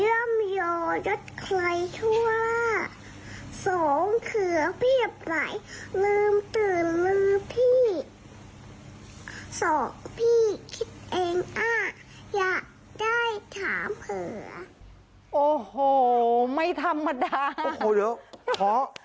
อยากได้ถามเหลือโอ้โหไม่ธรรมดาโอ้โหเดี๋ยวขอ